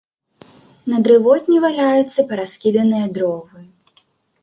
На дрывотні валяюцца параскіданыя дровы.